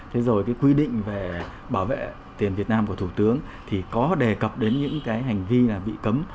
thế rồi cái quy định về bảo vệ tiền việt nam của thủ tướng thì có đề cập đến những cái hành vi là bị cấm